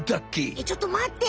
えちょっと待って。